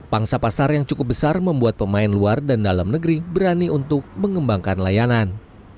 pangsa pasar yang cukup besar membuat pemain luar dan dalam negeri berani untuk mengembangkan layanan